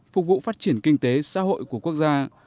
phục vụ phát triển kinh tế xã hội của quốc gia